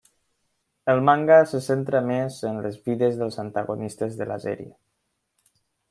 El manga se centra més en les vides dels antagonistes de la sèrie.